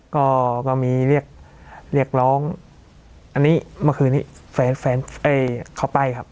ก็ก็มีเรียกเรียกร้องอันนี้เมื่อคืนนี้แฟนแฟนเขาไปครับ